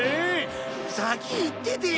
先行っててよ！